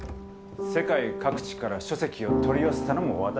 世界各地から書籍を取り寄せたのも私だ。